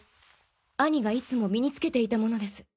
兄がいつも身につけていたものです。